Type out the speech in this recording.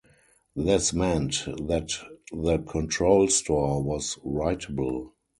This meant that the control store was writable.